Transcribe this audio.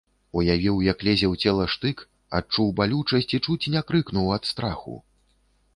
Уявіў, як лезе ў цела штык, адчуў балючасць і чуць не крыкнуў ад страху.